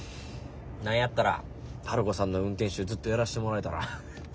何やったらハルコさんの運転手ずっとやらしてもらえたら。